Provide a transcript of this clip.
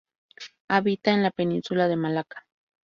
Habita en la península de Malaca.